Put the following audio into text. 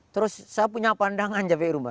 terus saya punya pandangan